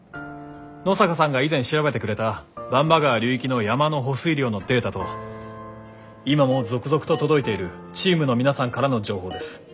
野坂さんが以前調べてくれた番場川流域の山の保水量のデータと今も続々と届いているチームの皆さんからの情報です。